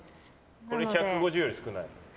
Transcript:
これ、１５０より少ない。